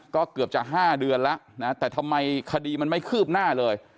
ก็เกือบจะ๕เดือนแล้วนะแต่ทำไมคดีมันไม่คืบหน้าเลย